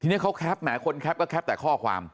ทีนี้เขาแคปแหมคนแคปก็แคปแต่ข้อความ